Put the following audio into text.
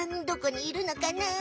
どこにいるのかな？